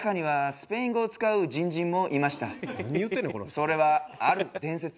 「それはある伝説